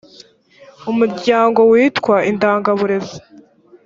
umuryango witwa indangaburezi